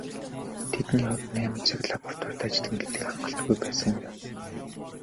Тэдний хувьд найман цаг лабораторид ажиллана гэдэг хангалтгүй байсан юм.